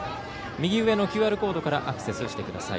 右上のＱＲコードからアクセスしてください。